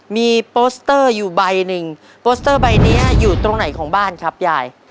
มีโปสเตอร์อยู่ใบหนึ่งโปสเตอร์ใบนี้อยู่ตรงไหนของบ้านครับยาย